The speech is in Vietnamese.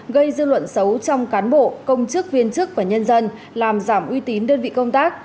gây dư luận xấu trong cán bộ công chức viên chức và nhân dân làm giảm uy tín đơn vị công tác